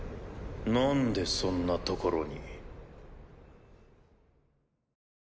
なんでそんな所に。